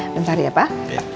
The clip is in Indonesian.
bentar ya pak